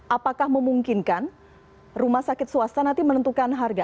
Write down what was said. apakah memungkinkan rumah sakit swasta nanti menentukan harga